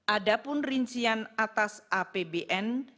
adapun rincian atas apbn